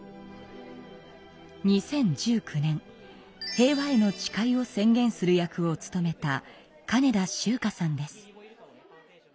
２０１９年「平和への誓い」を宣言する役を務めた金田秋佳さんです。